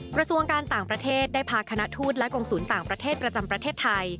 กระทรวงการต่างประเทศได้พาคณะทูตและกรงศูนย์ต่างประเทศประจำประเทศไทย